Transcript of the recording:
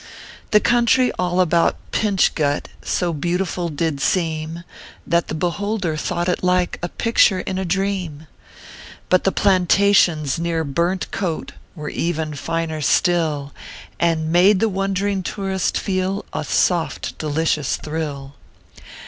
The country all about Pinch Gut So beautiful did seem, That the beholder thought it like A picture in a dream. But the plantations near Burnt Coat "Were even finer still, And made the wond ring tourist feel A soft, delicious thrill.